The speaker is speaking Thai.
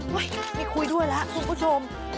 ไม่คุยด้วยแล้วคุณผู้ชม